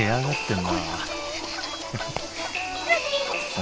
ん？